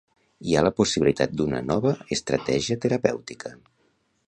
Hi ha la possibilitat d'una nova estratègia terapèutica.